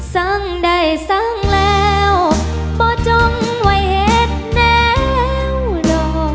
สังใดสังแล้วบ่จงไว้เห็นแล้วล่อ